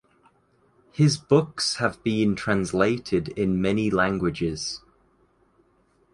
His books have been translated in many languages.